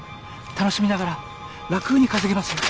楽しみながら楽に稼げますよ。